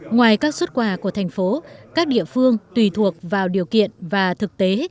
ngoài các xuất quà của thành phố các địa phương tùy thuộc vào điều kiện và thực tế